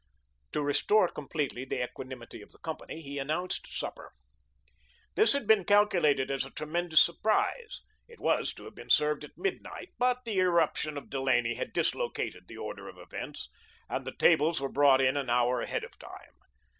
To restore completely the equanimity of the company, he announced supper. This he had calculated as a tremendous surprise. It was to have been served at mid night, but the irruption of Delaney had dislocated the order of events, and the tables were brought in an hour ahead of time.